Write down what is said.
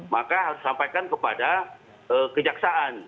maka harus disampaikan kepada kejaksaan